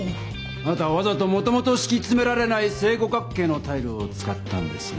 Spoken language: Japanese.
あなたはわざともともとしきつめられない正五角形のタイルを使ったんですね。